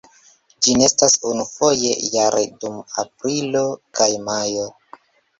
Ĝi nestas unufoje jare dum aprilo kaj majo.